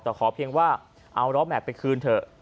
แต่ขอเพียงว่าเอาล้อแม็กซ์ไปคืนเถอะ